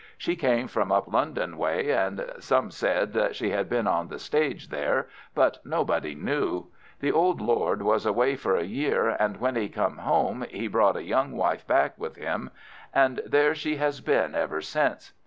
"She came from up London way, and some said that she had been on the stage there, but nobody knew. The old Lord was away for a year, and when he came home he brought a young wife back with him, and there she has been ever since.